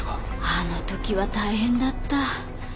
あのときは大変だった。